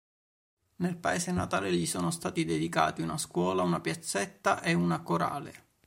Nel paese natale gli sono stati dedicati una scuola, una piazzetta e una "Corale".